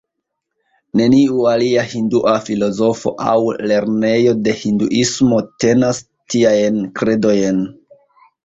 Neniu alia hindua filozofo aŭ lernejo de hinduismo tenas tiajn kredojn.